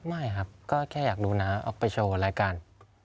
ไม่ครับก็แค่อยากดูน้าออกไปโชว์รายการ